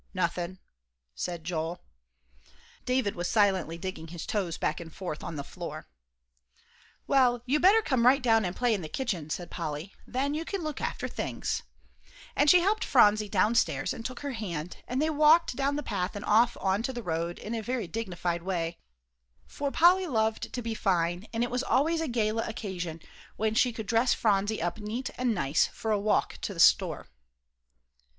"Nothin'," said Joel. David was silently digging his toes back and forth on the floor. "Well, you better come right down and play in the kitchen," said Polly, "then you can look after things;" and she helped Phronsie downstairs and took her hand, and they walked down the path and off on to the road in a very dignified way, for Polly loved to be fine, and it was always a gala occasion when she could dress Phronsie up neat and nice, for a walk to the store.